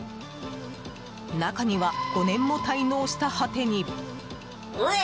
中には５年も滞納した果てに。